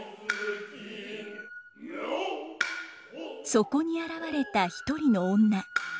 そこに現れた一人の女。